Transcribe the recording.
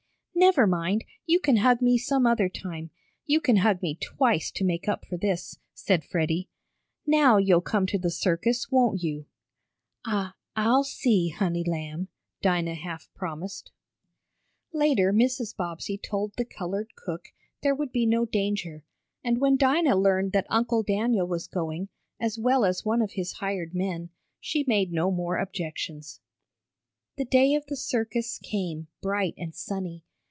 "Never mind, you can hug me some other time you can hug me twice to make up for this," said Freddie. "Now you'll come to the circus, won't you?" "I I'll see, honey lamb," Dinah half promised. Later Mrs. Bobbsey told the colored cook there would be no danger, and when Dinah learned that Uncle Daniel was going, as well as one of his hired men, she made no more objections. The day of the circus came, bright and sunny.